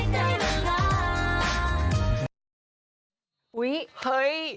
ดีดี